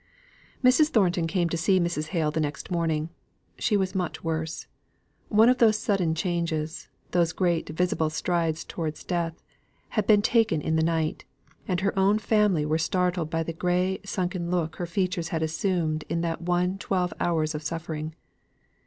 Mrs. Thornton came to see Mrs. Hale the next morning. She was much worse. One of those sudden changes those great visible strides towards death, had been taken in the night, and her own family were startled by the gray sunken look her features had assumed in that one twelve hours of suffering.